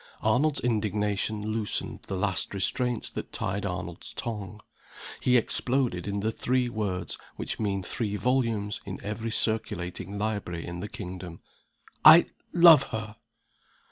Arnold's indignation loosened the last restraints that tied Arnold's tongue. He exploded in the three words which mean three volumes in every circulating library in the kingdom. "I love her."